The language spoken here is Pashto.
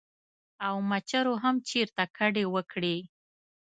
او مچرو هم چرته کډې وکړې ـ